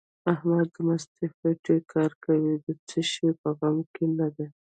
احمد د مستې خېټې کار کوي؛ د څه شي په غم کې نه دی.